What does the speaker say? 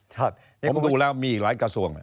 ผมดูแล้วมีอีกหลายกระทรวง